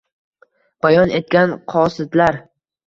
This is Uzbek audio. Bayon etgan qosidlar.